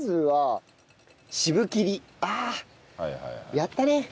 やったね。